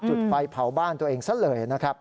จุดไฟเผาบ้านตัวเองซะเลยนะครับ